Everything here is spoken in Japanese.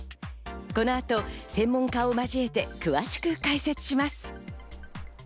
この後、専門家を交えて詳しく解説します。